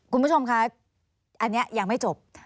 คุณผู้ชมคะอันนี้ยังไม่จบ